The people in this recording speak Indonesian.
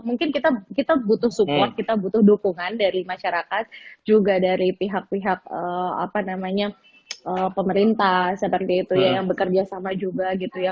mungkin kita butuh support kita butuh dukungan dari masyarakat juga dari pihak pihak apa namanya pemerintah seperti itu ya yang bekerja sama juga gitu ya